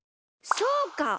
そうか！